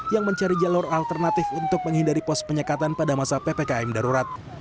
yang mencari jalur alternatif untuk menghindari pos penyekatan pada masa ppkm darurat